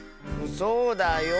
そうだよ。